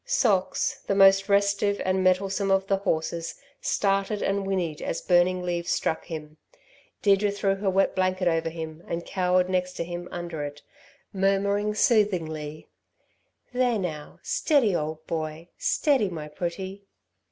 Socks, the most restive and mettlesome of the horses, started and whinnied as burning leaves struck him. Deirdre threw her wet blanket over him and cowered next to him under it, murmuring soothingly: "There now! Steady, old boy! Steady, my pretty!"